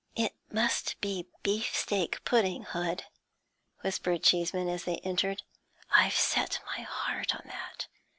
'It must be beefsteak pudding, Hood,' whispered Cheeseman, as they entered. 'I've set my heart on that.